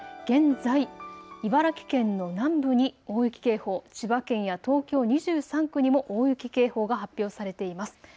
現在、茨城県の南部に大雪警報、千葉県や東京２３区にも大雪警報が発表されています。